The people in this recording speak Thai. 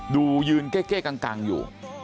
ดูยืนเก้กังอยู่